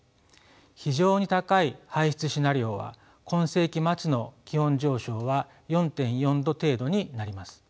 非常に高い排出シナリオは今世紀末の気温上昇は４．４℃程度になります。